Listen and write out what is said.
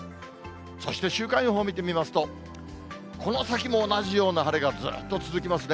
そして週間予報を見てみますと、この先も同じような晴れがずっと続きますね。